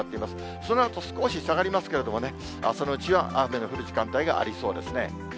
そのあと少し下がりますけれども、朝のうちは雨の降る時間帯がありそうですね。